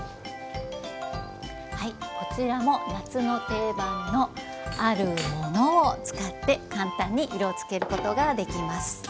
こちらも夏の定番のあるものを使って簡単に色をつけることができます。